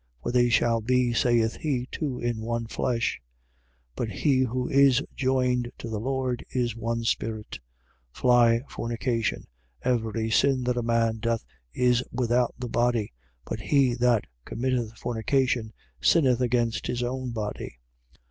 For they shall be, saith he, two in one flesh. 6:17. But he who is joined to the Lord is one spirit. 6:18. Fly fornication. Every sin that a man doth is without the body: but he that committeth fornication sinneth against his own body.